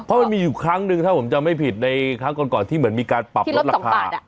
เพราะมันมีอยู่ครั้งหนึ่งถ้าผมจำไม่ผิดในครั้งก่อนที่เหมือนมีการปรับลดราคา